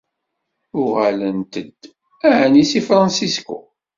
Uɣalent-d ɛni seg San Fransisco?